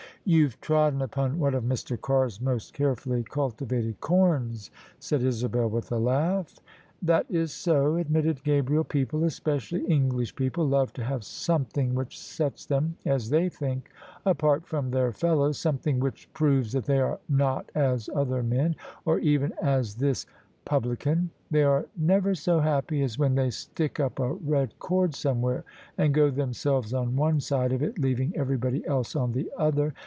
" You've trodden upon one of Mr. Carr's most carefully cultivated corns," said Isabel with a laugh. " That is so," admitted Gabriel. " People — especially English people — ^love to have something which sets them, as they think, apart from their fellows — something which proves that they are not as other men, or even as this publi OF ISABEL CARNABY can. They are never so happy as when they stick up a red cord somewhere, and go themselves on one side of it leaving everybody else on the other.